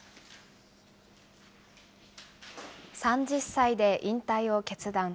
３０歳で引退を決断。